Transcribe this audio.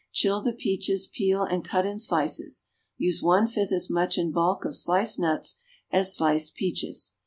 Chill the peaches, peel, and cut in slices; use one fifth as much in bulk of sliced nuts as sliced peaches.